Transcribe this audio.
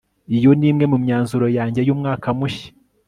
iyo ni imwe mu myanzuro yanjye y'umwaka mushya